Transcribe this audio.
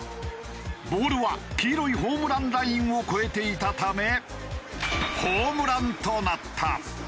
ボールは黄色いホームランラインを越えていたためホームランとなった。